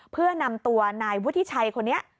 เพื่อนำตัวนายวุฒิชัยคนนี้